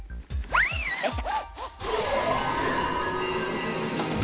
よいしょ。